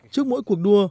trước mỗi cuộc đua